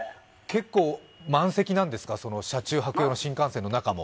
結構満席なんですか、車中泊用の新幹線の中も？